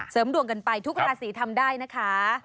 ดวงกันไปทุกราศีทำได้นะคะ